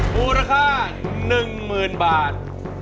มูลค่า๑๐๐๐บาท